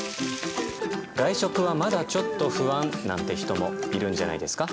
「外食はまだちょっと不安」なんて人もいるんじゃないですか？